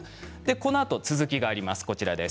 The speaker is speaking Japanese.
このあと続きがあります。